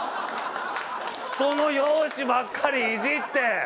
人の容姿ばっかりイジって！